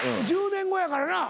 １０年後やからな。